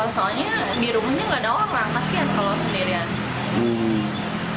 soalnya di rumahnya nggak ada orang kasian kalau sendirian